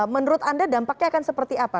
menurut anda dampaknya akan seperti apa